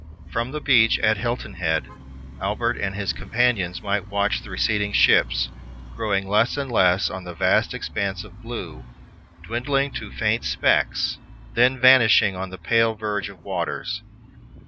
From the beach at Hilton Head, Albert and his companions might watch the receding ships, growing less and less on the vast expanse of blue, dwindling to faint specks, then vanishing on the pale verge of the waters.